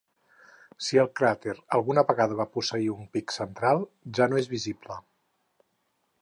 Si el cràter alguna vegada va posseir un pic central, ja no és visible.